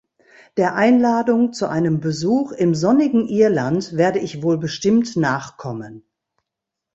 Der Einladung zu einem Besuch im sonnigen Irland werde ich wohl bestimmt nachkommen.